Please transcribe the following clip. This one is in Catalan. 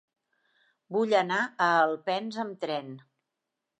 Vull anar a Alpens amb tren.